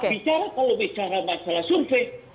bicara kalau bicara masalah survei